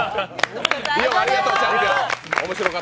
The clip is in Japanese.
ありがとう、チャンピオン。